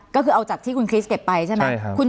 ก็คือเอาจากที่คุณคริสเก็บไปใช่ไหม